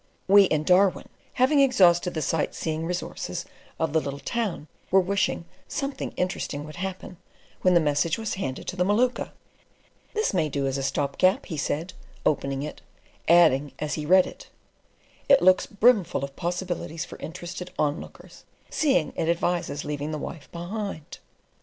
We in Darwin, having exhausted the sight seeing resources of the little town, were wishing "something interesting would happen," when the message was handed to the Maluka. "This may do as a stopgap," he said, opening it, adding as he read it, "It looks brimful of possibilities for interested onlookers, seeing it advises leaving the wife behind."